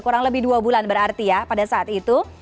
kurang lebih dua bulan berarti ya pada saat itu